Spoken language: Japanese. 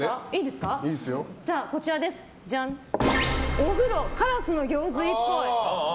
お風呂、カラスの行水っぽい。